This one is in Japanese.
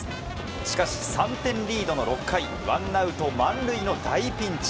しかし、３点リードの６回ワンアウト満塁の大ピンチ。